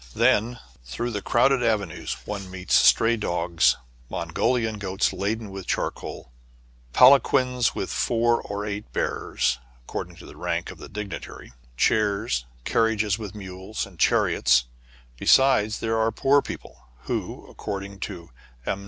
Then, through the crowded avenues, one meets stray dogs, Mongolian goats laden with charcoal, palanquins with four or eight bearers, according to the rank of the dignitary, chairs, car riages with mules, and chariots ; besides, there are poor people, who, according to M.